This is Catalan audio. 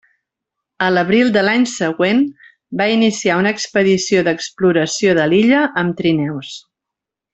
A l'abril de l'any següent va iniciar una expedició d'exploració de l'illa amb trineus.